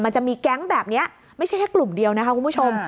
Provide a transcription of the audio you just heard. มันจะมีแก๊งแบบนี้ไม่ใช่แค่กลุ่มเดียวนะคะคุณผู้ชม